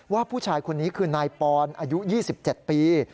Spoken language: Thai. ว่าผู้ชายคนนี้คือนายปอนอายุ๒๗ปี